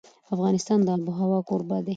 افغانستان د آب وهوا کوربه دی.